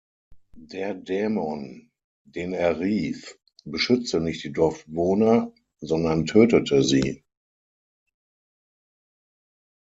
Der Dämon den er rief, beschützte nicht die Dorfbewohner, sondern tötete sie.